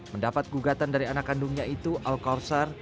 mendapat gugatan dari anak kandungnya itu al korsar